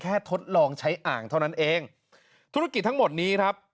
ทดลองใช้อ่างเท่านั้นเองธุรกิจทั้งหมดนี้ครับ